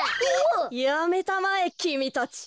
やめたまえきみたち。